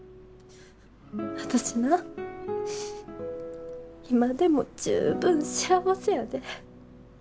私な今でも十分幸せやで。